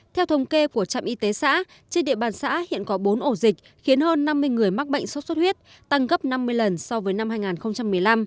theo thống kê của trạm y tế xã trên địa bàn xã hiện có bốn ổ dịch khiến hơn năm mươi người mắc bệnh sốt xuất huyết tăng gấp năm mươi lần so với năm hai nghìn một mươi năm